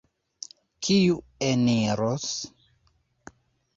Kiu eniros?